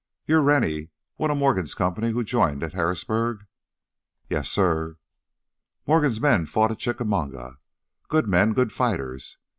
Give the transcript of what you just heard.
"You're Rennie, one of that Morgan company who joined at Harrisburg." "Yes, suh." "Morgan's men fought at Chickamauga ... good men, good fighters.